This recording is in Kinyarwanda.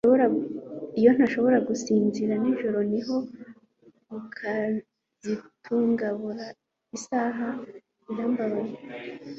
Iyo ntashobora gusinzira nijoro niho gukazitungabora isaha birambabaza